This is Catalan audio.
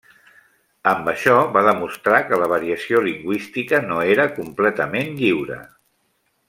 Amb això va demostrar que la variació lingüística no era completament lliure.